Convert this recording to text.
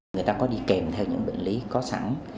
người ta có đi kèm theo những bệnh lý có sẵn